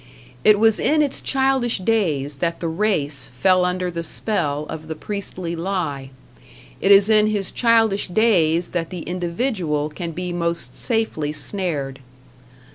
It was in its childish days that the race fell under the spell of the Priestly Lie; it is in his childish days that the individual can be most safely snared.